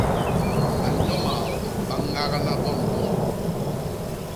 Banyo maok ba ñagna bo ni bo.